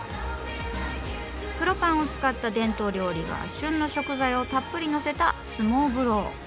黒パンを使った伝統料理が旬の食材をたっぷりのせたスモーブロー。